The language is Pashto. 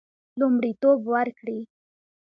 لومړیتوب ورکړي.